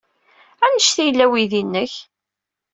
Anect ay yella weydi-nnek?